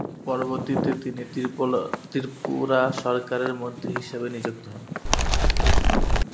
পরবর্তীতে, তিনি ত্রিপুরা সরকারের মন্ত্রী হিসেবে নিযুক্ত হন।